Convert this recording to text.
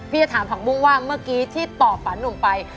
พี่จะถามภักบุ้งว่าเมื่อกี้ที่ต่อผ่านมันไป